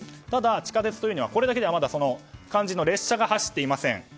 ただ、地下鉄というにはこれだけではまだ肝心の列車が走っていません。